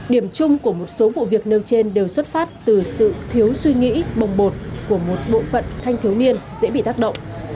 điểm chung của một số vụ việc nêu trên đều xuất phát từ sự thiếu suy nghĩ bồng bột của một bộ phận thanh thiếu niên dễ bị tác động